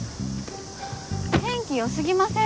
天気良すぎません？